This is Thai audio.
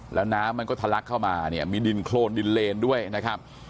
แล้วน้ำมันก็ทะลักเข้ามาเนี่ยมีดินโครนดินเลนด้วยนะครับ